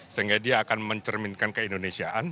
sehingga dia akan mencerminkan keindonesiaan